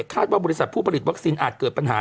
คาดว่าบริษัทผู้ผลิตวัคซีนอาจเกิดปัญหา